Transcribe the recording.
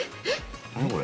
えっ？